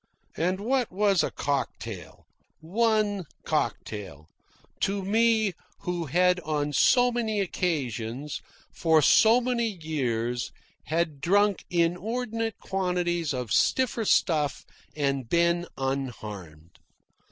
And what was a cocktail one cocktail to me who on so many occasions for so many years had drunk inordinate quantities of stiffer stuff and been unharmed?